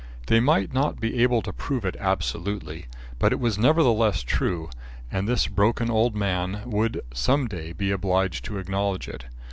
They might not be able to prove it absolutely, but it was nevertheless true, and this broken old man would some day be obliged to acknowledge it.